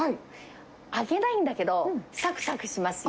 揚げないんだけど、さくさくしますよ。